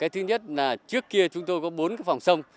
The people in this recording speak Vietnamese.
thứ nhất là trước kia chúng tôi có bốn phòng sông